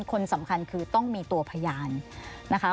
คนสำคัญคือต้องมีตัวพยานนะคะ